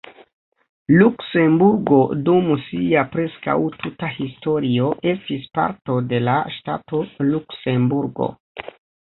Luksemburgo dum sia preskaŭ tuta historio estis parto de la ŝtato Luksemburgo.